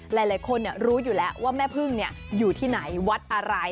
หลายคนรู้อยู่แล้วว่าแม่พึ่งอยู่ที่ไหนวัดอะไร